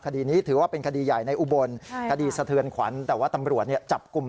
คดีนี้ถือว่าเป็นคดีใหญ่ในอุบลคดีสะเทือนขวัญ